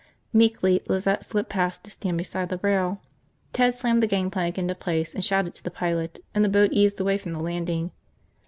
Meekly Lizette slipped past to stand beside the rail. Ted slammed the gangplank into place and shouted to the pilot, and the boat eased away from the landing.